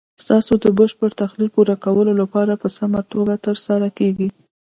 ستاسو د بشپړ تخیل پوره کولو لپاره په سمه توګه تر سره کیږي.